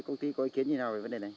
công ty có ý kiến như nào về vấn đề này